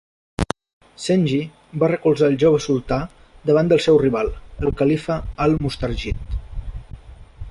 Zengi va recolzar el jove sultà davant del seu rival, el califa Al-Mustarshid.